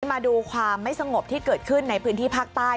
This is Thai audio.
มาดูความไม่สงบที่เกิดขึ้นในพื้นที่ภาคใต้